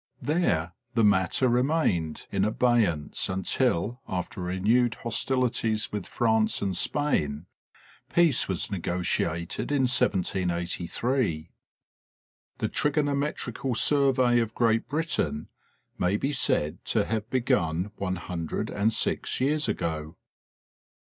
There the matter remained in abeyance until, after renewed hos tilities with France and Spain, peace was negotiated in 1783. The trigonometrical survey of Great Britain may be said to have been begun one hundred and six years ago.